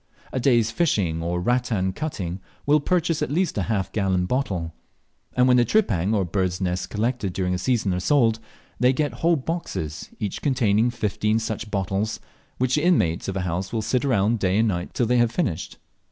A day's fishing or rattan cutting will purchase at least a half gallon bottle; and when the tripang or birds' nests collected during a season are sold, they get whole boxes, each containing fifteen such bottles, which the inmates of a house will sit round day and night till they have finished.